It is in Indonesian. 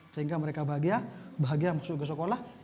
sehingga mereka bahagia bahagia masuk ke sekolah